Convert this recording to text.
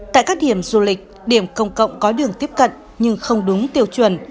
tại các điểm du lịch điểm công cộng có đường tiếp cận nhưng không đúng tiêu chuẩn